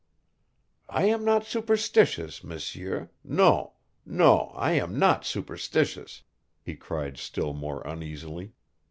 I am not superstitious, M'sieu non non I am not superstitious," he cried still more uneasily.